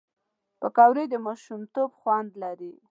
پکورې د ماشومتوب خوند لري